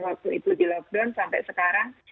waktu itu di lockdown sampai sekarang